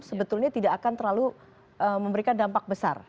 sebetulnya tidak akan terlalu memberikan dampak besar